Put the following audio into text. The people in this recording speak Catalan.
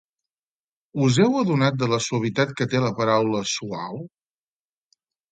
Us heu adonat de la suavitat que té la paraula "suau"?